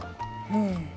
うん。